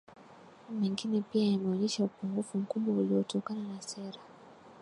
mengine pia yameonyesha upungufu mkubwa uliotokana na sera